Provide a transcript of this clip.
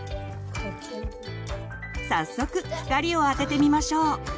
早速光を当ててみましょう。